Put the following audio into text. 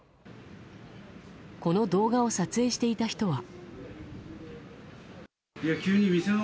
この動画を撮影していた人は。